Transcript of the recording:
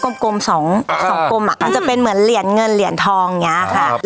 กลมกลมสองสองกลมอะอืมมันจะเป็นเหมือนเหลี่ยนเงินเหลี่ยนทองอย่างเงี้ยค่ะ